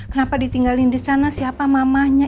kenapa ditinggalin di sana siapa mamanya